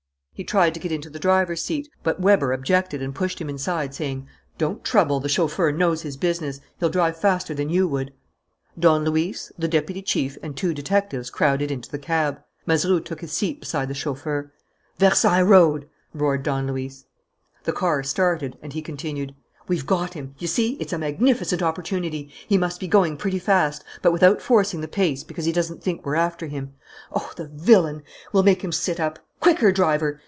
He tried to get into the driver's seat. But Weber objected and pushed him inside, saying: "Don't trouble the chauffeur knows his business. He'll drive faster than you would." Don Luis, the deputy chief, and two detectives crowded into the cab; Mazeroux took his seat beside the chauffeur. "Versailles Road!" roared Don Luis. The car started; and he continued: "We've got him! You see, it's a magnificent opportunity. He must be going pretty fast, but without forcing the pace, because he doesn't think we're after him. Oh, the villain, we'll make him sit up! Quicker, driver!